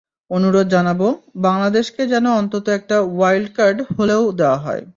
অনুরোধ জানাব, বাংলাদেশকে যেন অন্তত একটা ওয়াইল্ড কার্ড হলেও দেওয়া হয়।